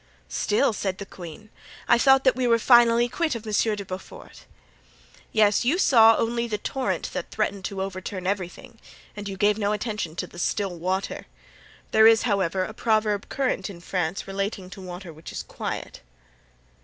"Still!" said the queen. "I thought that we were finally quit of Monsieur de Beaufort." "Yes, you saw only the torrent that threatened to overturn everything and you gave no attention to the still water. There is, however, a proverb current in France relating to water which is quiet."